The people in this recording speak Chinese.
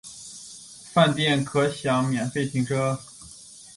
饭店可享免费停车